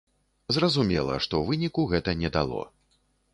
Зразумела, што выніку гэта не дало.